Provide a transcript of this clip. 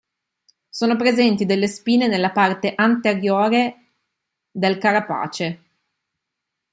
Sono presenti delle spine nella parte anteriore del carapace.